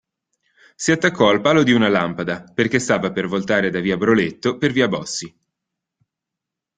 Si attaccò al palo di una lampada, perché stava per voltare da via Broletto per via Bossi.